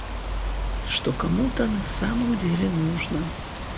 что кому-то на самом деле нужно